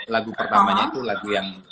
lagu pertamanya itu lagu yang